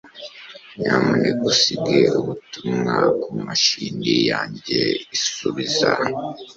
Nyamuneka usige ubutumwa kumashini yanjye isubiza.